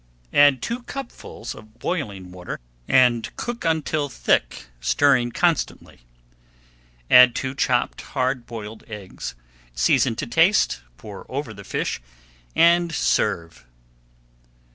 Add two cupfuls of [Page 166] boiling water, and cook until thick, stirring constantly. Add two chopped hard boiled eggs, season to taste, pour over the fish, and serve.